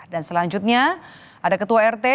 dan selanjutnya ada ketua rt